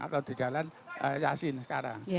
atau di jalan yasin sekarang